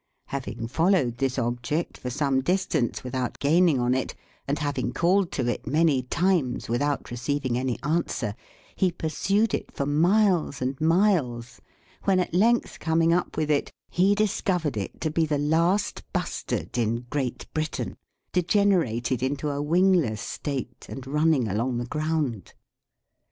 Having followed this object for some distance without gaining on it, and having called to it many times without receiving any answer, he pursued it for miles and miles, when, at length coming up with it, he discovered it to be the last bustard in Great Britain, degenerated into a wingless state, and running along the ground.